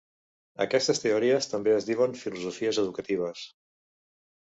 Aquestes teories també es diuen filosofies educatives.